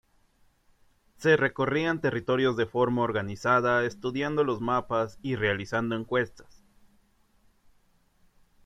Se recorrían territorios de forma organizada estudiando los mapas y realizando encuestas.